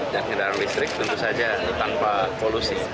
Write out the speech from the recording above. dan kendaraan listrik tentu saja tanpa polusi